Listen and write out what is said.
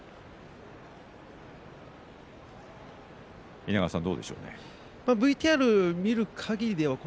稲川さん、どうでしょう？